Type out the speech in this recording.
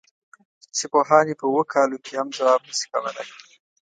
چې پوهان یې په اوو کالو کې هم ځواب نه شي کولای.